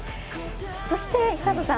そして、寿人さん